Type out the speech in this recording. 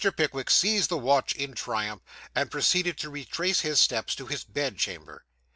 Pickwick seized the watch in triumph, and proceeded to retrace his steps to his bedchamber.